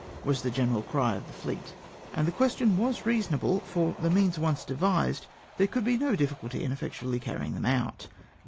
was the general cry of the fleet, and the question was reasonable ; for the means once devised, there could be no difficulty in effectually carrying them out.